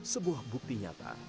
sebuah bukti nyata